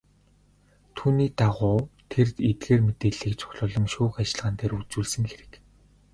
Түүний дагуу тэр эдгээр мэдээллийг цуглуулан шүүх ажиллагаан дээр үзүүлсэн хэрэг.